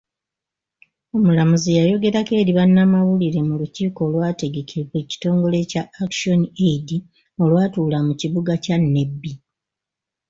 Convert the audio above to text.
Omulamuzi yayogerako eri bannamawulire mu lukiiko olwategekebwa ekitongile Kya Action Aid olwatuula mu kibuga kya Nebbi.